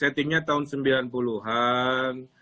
settingnya tahun sembilan puluh an